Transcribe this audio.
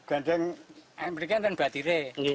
gandeng yang berikan itu batire